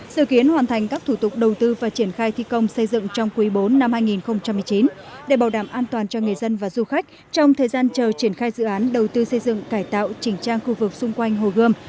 sự kiến hoàn thành các thủ tục đầu tư và triển khai thi công xây dựng trong quý bốn năm hai nghìn một mươi chín để bảo đảm an toàn cho người dân và du khách trong thời gian chờ triển khai dự án đầu tư xây dựng cải tạo chỉnh trang khu vực xung quanh hồ gươm